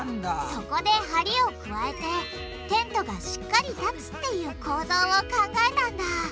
そこで梁を加えてテントがしっかり立つっていう構造を考えたんだ。